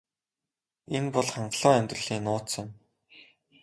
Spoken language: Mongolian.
Энэ бол хангалуун амьдралын нууц юм.